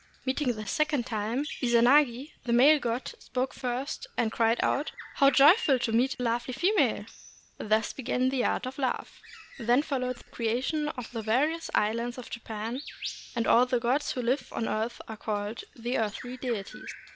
Meeting the second time, Izanagi, the male god, spoke first, and cried out, — "How joyful to meet a lovely female!" Thus began the art of love. Then followed the creation of the various islands of Japan, and all the gods who live on the earth and are called the earthly deities.